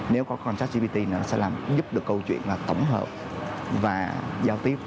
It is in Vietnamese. nếu có contract gpt nó sẽ giúp được câu chuyện tổng hợp và giao tiếp